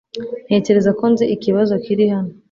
Ntekereza ko nzi ikibazo kiri hano.